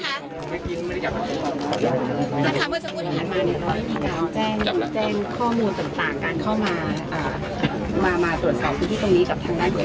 หัวงานของสมัยฉันคนแล้วตัวเนี้ยครับ